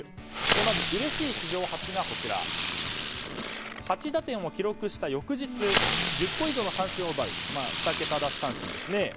まず、うれしい史上初が８打点を記録した翌日１０個以上の三振を奪う２桁奪三振ですね。